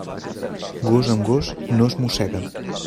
Gos amb gos no es mossega.